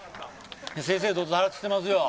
正々堂々戦ってますよ